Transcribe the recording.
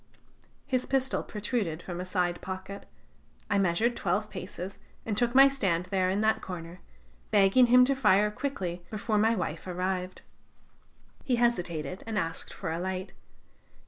"His pistol protruded from a side pocket. I measured twelve paces and took my stand there in that corner, begging him to fire quickly, before my wife arrived. He hesitated, and asked for a light.